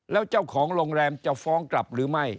แล้วเจ้าของโรงแรมจะฟ้องกลับหรือไม่